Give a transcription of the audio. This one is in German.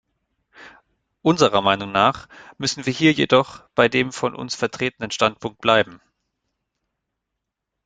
Unserer Meinung nach müssen wir hier jedoch bei dem von uns vertretenen Standpunkt bleiben.